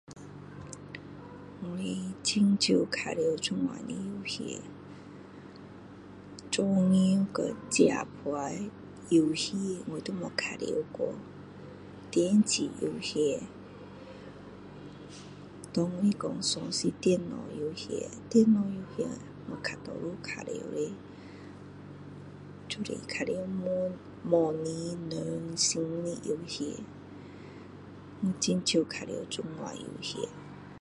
我很少玩这样的游戏专业的游戏我都没有玩过电子游戏我也没有玩过就算是电脑游戏电脑游戏我比较常玩的就是玩模拟人的真的游戏我很少玩这样的游戏